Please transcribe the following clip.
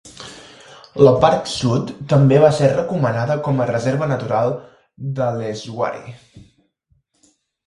La part sud també va ser recomanada com a reserva natural "Dhaleswari".